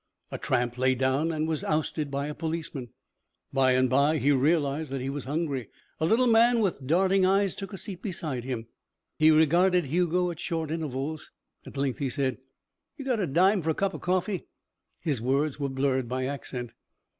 A tramp lay down and was ousted by a policeman. By and by he realized that he was hungry. A little man with darting eyes took a seat beside him. He regarded Hugo at short intervals. At length he said. "You got a dime for a cup of coffee?" His words were blurred by accent.